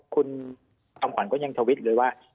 คุณคำขวัญก็ยังทวิตอยู่เลยว่า